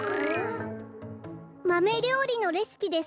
マメりょうりのレシピです。